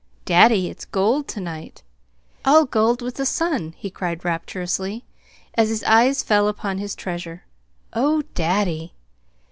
"Daddy, it's gold to night all gold with the sun!" he cried rapturously, as his eyes fell upon his treasure. "Oh, daddy!"